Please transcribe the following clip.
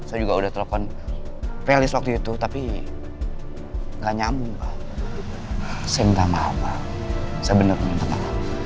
saya juga udah telepon velis waktu itu tapi nggak nyambung pak saya minta maaf pak saya bener minta maaf